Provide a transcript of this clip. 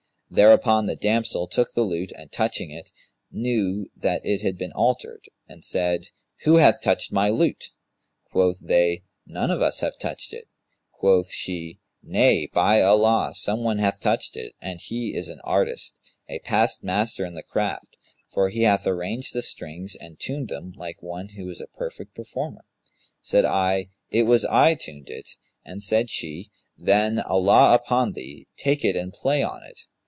Thereupon the damsel took the lute and touching it, knew that it had been altered, and said, 'Who hath touched my lute?' Quoth they, 'None of us hath touched it.' Quoth she, 'Nay, by Allah, some one hath touched it, and he is an artist, a past master in the craft; for he hath arranged the strings and tuned them like one who is a perfect performer.' Said I, 'It was I tuned it;' and said she, 'Then, Allah upon thee, take it and play on it!'